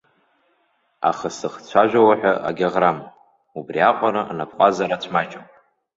Аха сзыхцәажәауа ҳәа агьаӷрам, убри аҟара анапҟазара ацәмаҷуп.